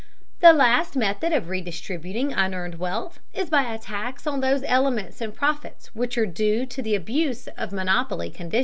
The last method of redistributing unearned wealth is by a tax on those elements in profits which are due to the abuse of monopoly conditions.